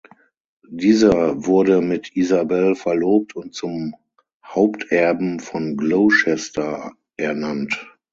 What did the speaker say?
Dieser wurde mit Isabel verlobt und zum Haupterben von Gloucester ernannt.